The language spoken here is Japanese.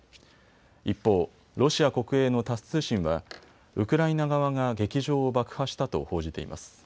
一方、ロシア国営のタス通信はウクライナ側が劇場を爆破したと報じています。